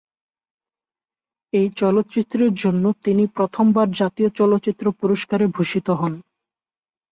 এই চলচ্চিত্রের জন্য তিনি প্রথমবার জাতীয় চলচ্চিত্র পুরস্কারে ভূষিত হন।